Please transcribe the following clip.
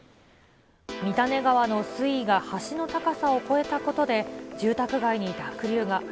三種川の水位が橋の高さを超えたことで、住宅街に濁流が。